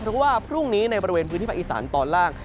เพราะว่าพรุ่งนี้ในบริเวณพื้นที่ภาคอีสานตอนล่าง